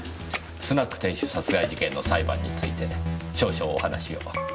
スナック店主殺害事件の裁判について少々お話を。